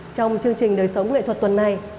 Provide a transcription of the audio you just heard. trong chương trình đời sống nghệ thuật tuần này